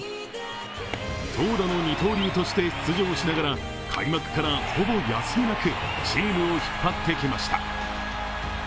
投打の二刀流として出場しながら開幕からほぼ休みなくチームを引っ張ってきました。